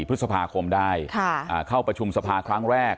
เพื่อยุดยั้งการสืบทอดอำนาจของขอสอชอต่อและยังพร้อมจะเป็นนายกรัฐมนตรี